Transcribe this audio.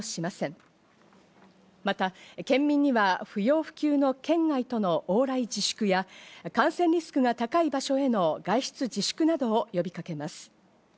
また県民には不要不急の県内との往来自粛や感染リスクが高い場所への外出自粛などを呼びかけます。